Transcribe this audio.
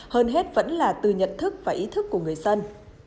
hơn hết vẫn là từ nhận thức và ý thức của người dân